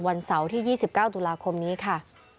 วันเสาร์ที่๒๙ตุลาคมนี้ค่ะ